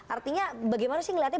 artinya bagaimana sih ngelihatnya